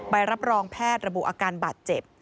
ใบรับรองแพทย์ระบุอาการบาดเจ็บ